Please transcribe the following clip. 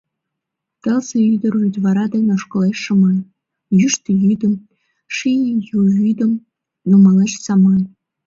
Тылзе ӱдыр вӱдвара ден ошкылеш шыман, — йӱштӧ йӱдым, ший ю вӱдым нумалеш саман.